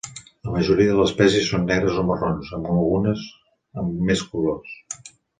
La majoria de les espècies són negres o marrons, amb algunes amb més colors.